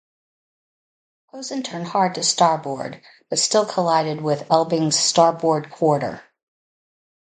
"Posen" turned hard to starboard, but still collided with "Elbing"s starboard quarter.